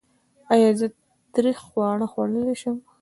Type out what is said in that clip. ایا زه تریخ خواړه خوړلی شم؟